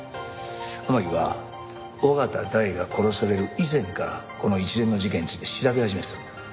天樹は緒方大が殺される以前からこの一連の事件について調べ始めてたんだ。